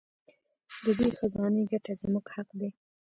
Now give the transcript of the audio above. د دې خزانې ګټه زموږ حق دی.